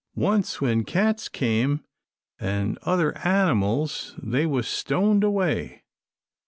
Once when cats come an' other animiles, they was stoned away.